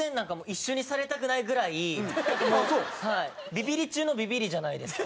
ビビリ中のビビリじゃないですか。